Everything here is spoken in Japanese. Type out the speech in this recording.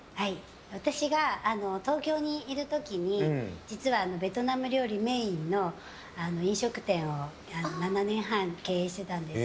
私が東京にいる時に実はベトナム料理メインの飲食店を７年半経営してたんです。